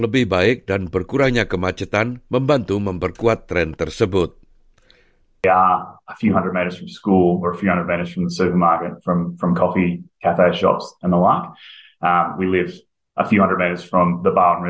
lebih dari enam tahun kemarin kita tidak akan berpikir pikir untuk berpindah ke melbourne